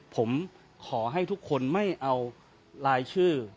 ผมขอให้ทุกคนไม่เอารายชื่อ